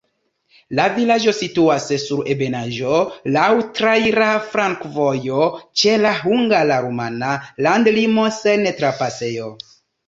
La vilaĝo situas sur ebenaĵo, laŭ traira flankovojo, ĉe la hungara-rumana landlimo sen trapasejo.